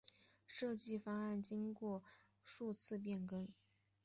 设计方案经过数次变更。